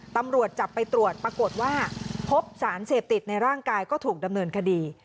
ตำรวจจับไปตรวจปรากฏว่าพบสารเสพติดในร่างกายก็ถูกดำเนินคดี